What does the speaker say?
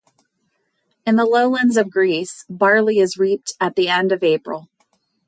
In the lowlands of Greece, barley is reaped at the end of April.